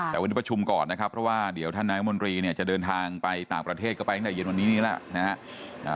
แต่วันนี้ประชุมก่อนนะครับเพราะว่าเดี๋ยวท่านนายมนตรีเนี่ยจะเดินทางไปต่างประเทศก็ไปตั้งแต่เย็นวันนี้นี้แล้วนะฮะ